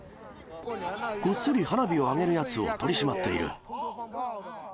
こっそり花火を上げるやつを取り締まっている。